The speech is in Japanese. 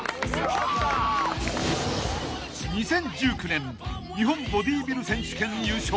［２０１９年日本ボディビル選手権優勝］